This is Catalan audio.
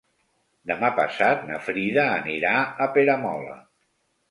Demà passat na Frida anirà a Peramola.